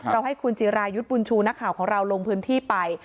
ให้คุณจิรายุทธ์บุญชูนักข่าวของเราลงพื้นที่ไป